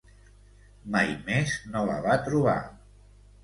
Mai més no la va trobar.